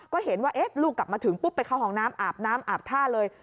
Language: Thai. ก็เห็นว่าลูกกลับมาถึงปุ๊บไปเข้าห้องน้ำอาบน้ำอาบท่าเลย